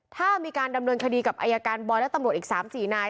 ถ้ามีการดำเนินคดีกับอายการบอยและตำรวจอีก๓๔นาย